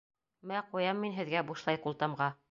Мә, ҡуям мин һеҙгә бушлай ҡултамға!